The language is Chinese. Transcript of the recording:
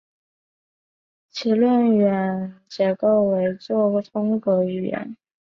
其论元结构为作通格语言。